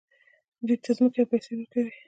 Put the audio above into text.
دوی ته ځمکه او پیسې ورکوي.